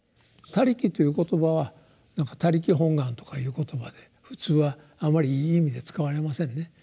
「他力」という言葉はなんか「他力本願」とかいう言葉で普通はあまりいい意味で使われませんね。